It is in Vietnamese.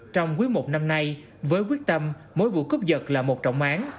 trong quý một năm nay với quyết tâm mỗi vụ cướp giật là một trọng án